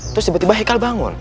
terus tiba tiba hikal bangun